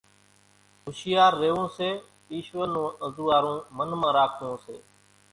ھوشيار ريوون سي ايشور نون انزوئارون منَ مان راکوون سي